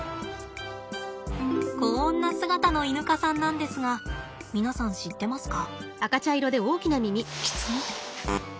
こんな姿のイヌ科さんなんですが皆さん知ってますか？